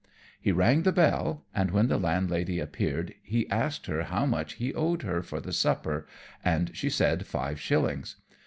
He rang the bell, and when the landlady appeared, he asked her how much he owed her for the supper, and she said five shillings.